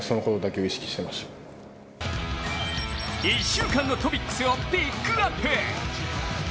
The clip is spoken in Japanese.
１週間のトピックスをピックアップ。